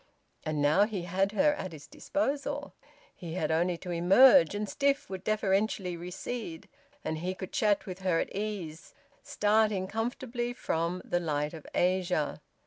And now, he had her at his disposal; he had only to emerge, and Stiff would deferentially recede, and he could chat with her at ease, starting comfortably from "The Light of Asia."